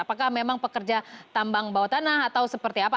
apakah memang pekerja tambang bawah tanah atau seperti apa